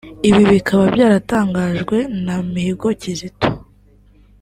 Ibi bikaba byaratangajwe na Mihigo Kizito